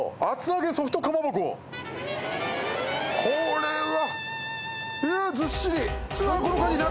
これは。